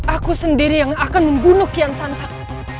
aku sendiri yang akan membunuh kian santa